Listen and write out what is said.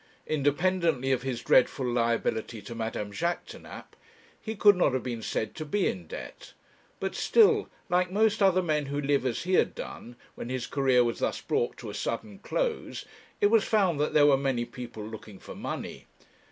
Independently of his dreadful liability to Madame Jaquêtanàpe, he could not have been said to be in debt; but still, like most other men who live as he had done, when his career was thus brought to a sudden close, it was found that there were many people looking for money.